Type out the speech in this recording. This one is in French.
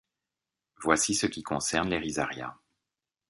Voici ce qui concerne les Rhizaria.